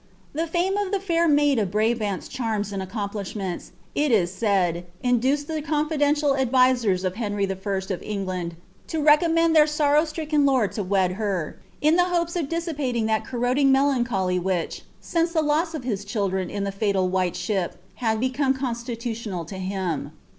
The lame of the fair maid of Brabanl's charms and accoraplisluneais. It is said, induced the conlidenlial adviserB of Henry L of EngUnd la reeommend iheir sorrow stricken lord lo wed her, in hopes of ditsipadag that corroding melancholy which, since [he loss of his children in tlw fatal while ship, had become constitutional to him.